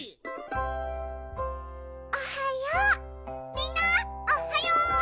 みんなおっはよう！